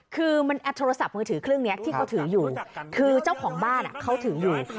คือมันโทรศัพท์มือถือเครื่องนี้ที่เขาถืออยู่คือเจ้าของบ้านเขาถืออยู่